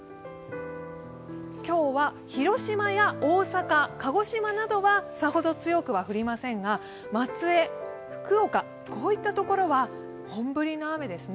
広島や大阪、鹿児島などはさほど強くは降りませんが松江、福岡といったところは本降りの雨ですね。